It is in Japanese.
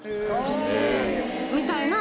みたいな。